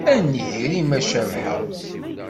A nnger-im, a Cabḥa!